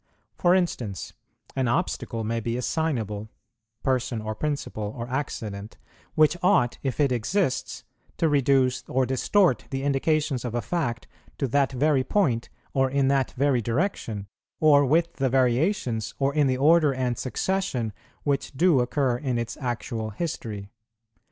For instance, an obstacle may be assignable, person, or principle, or accident, which ought, if it exists, to reduce or distort the indications of a fact to that very point, or in that very direction, or with the variations, or in the order and succession, which do occur in its actual history.